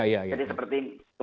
testingnya jadi seperti